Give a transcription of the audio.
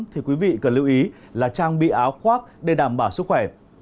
thì quý vị cần lưu ý là trang bị áo khoác để đảm bảo sức khỏe